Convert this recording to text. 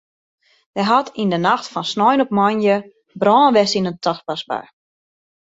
Der hat yn de nacht fan snein op moandei brân west yn in tapasbar.